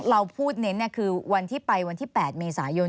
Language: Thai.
เราพูดเน้นคือวันที่ไปวันที่๘เมษายน